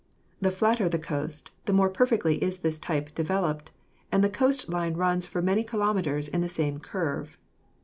The flatter the coast, the more perfectly is this type de veloped, and the coast line runs for many kilometers in the same curve.